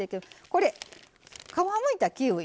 これ皮むいたキウイね。